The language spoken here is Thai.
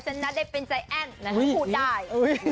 ฉันน่าได้เป็นใจแอ้งน่าจะพูดได้